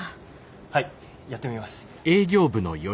はいやってみます。